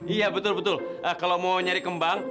iya betul betul kalau mau nyari kembang